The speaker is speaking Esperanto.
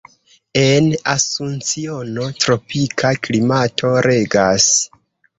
En Asunciono tropika klimato regas.